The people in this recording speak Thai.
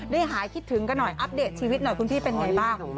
ได้หายคิดถึงกันหน่อยอัปเดตชีวิตหน่อยคุณพี่เป็นไงบ้าง